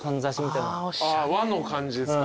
和の感じですか。